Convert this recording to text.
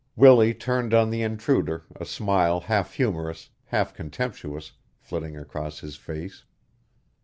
Willie turned on the intruder, a smile half humorous, half contemptuous, flitting across his face.